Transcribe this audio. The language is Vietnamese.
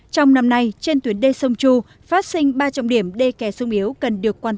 trong năm nay trên tuyến đê sông chu phát sinh ba trăm linh điểm đê kè sông yếu cần được cố gắng